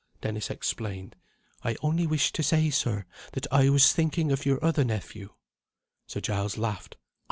Dennis explained. "I only wished to say, sir, that I was thinking of your other nephew." Sir Giles laughed.